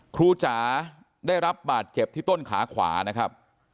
จ๋าได้รับบาดเจ็บที่ต้นขาขวานะครับ